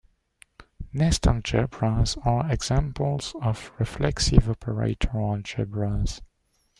Nest algebras are examples of reflexive operator algebras.